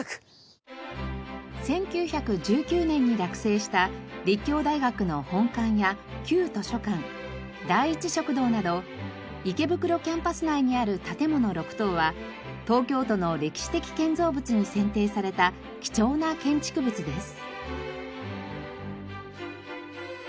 １９１９年に落成した立教大学の本館や旧図書館第一食堂など池袋キャンパス内にある建物６棟は東京都の歴史的建造物に選定された貴重な建築物です。